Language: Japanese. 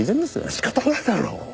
仕方がないだろう。